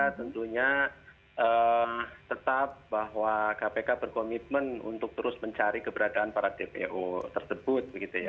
tentunya tetap bahwa kpk berkomitmen untuk terus mencari keberadaan para dpo tersebut